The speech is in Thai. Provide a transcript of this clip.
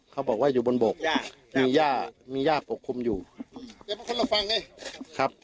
เขาบอกว่าอยู่บนบกมีย่ามีย่าปกคลุมอยู่ครับ